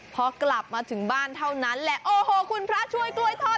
พอกลับมาถึงบ้านเท่านั้นแหละโอ้โหคุณพระช่วยกล้วยทอด